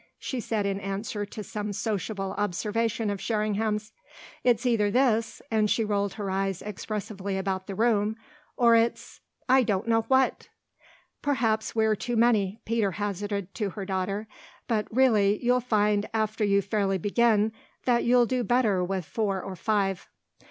she said in answer to some sociable observation of Sherringham's. "It's either this," and she rolled her eyes expressively about the room, "or it's I don't know what!" "Perhaps we're too many," Peter hazarded to her daughter. "But really you'll find, after you fairly begin, that you'll do better with four or five."